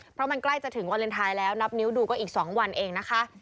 เพราะมันใกล้จะถึงวาเลนไทยแล้วนับนิ้วดูก็อีก๒วันเองนะคะ